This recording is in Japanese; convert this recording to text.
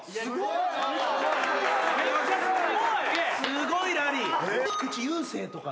すごいラリー。